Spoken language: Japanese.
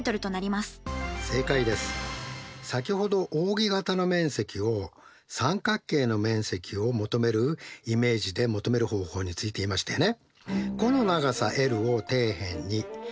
先ほどおうぎ形の面積を三角形の面積を求めるイメージで求める方法について言いましたよね。